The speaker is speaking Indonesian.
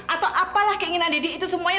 atau apalah keinginan deddy itu semuanya